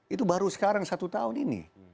itu baru sekarang satu tahun ini